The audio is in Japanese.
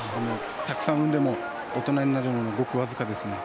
たくさん産んでも大人になるのは、ごく僅かですね。